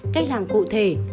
cách làm cụ thể